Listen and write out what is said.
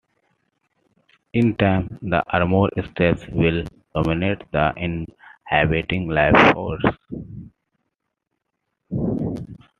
In time, the armor itself will dominate the inhabiting life force.